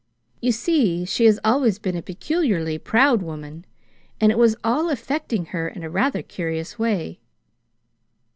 You see, she has always been a peculiarly proud woman, and it was all affecting her in a rather curious way.